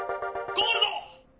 ゴールド！」。